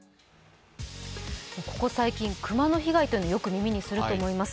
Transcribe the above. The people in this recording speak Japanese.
ここ最近、熊の被害というのをよく耳にすると思います。